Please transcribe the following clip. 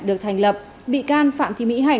được thành lập bị can phạm thị mỹ hạnh